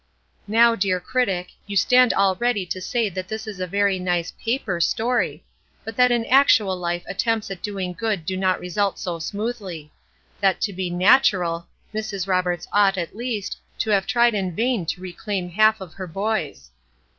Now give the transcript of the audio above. Now, dear critic, you stand all ready to say that this is a very nice paper story, but that in actual life attempts at doing good do not result so smoothly; that to be "natural," Mrs. Roberts ought, at least, to have tried in vain to reclaim half of her boys.